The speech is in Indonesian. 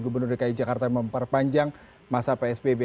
gubernur dki jakarta memperpanjang masa psbb